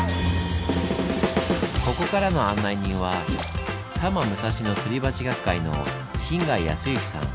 ここからの案内人は多摩武蔵野スリバチ学会の真貝康之さん。